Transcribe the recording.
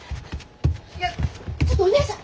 いやちょっとお姉さん。